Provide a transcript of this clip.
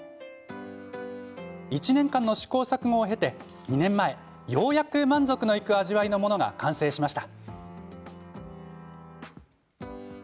１年間の試行錯誤を経て２年前、ようやく満足のいく味わいのものが完成しました。